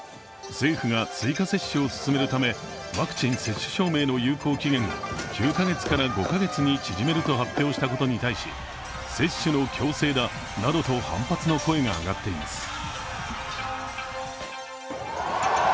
政府が追加接種を進めるためワクチン接種証明の有効期限を９カ月から５カ月に縮めると発表したことに対し、接種の強制だと反発の声が上がっています。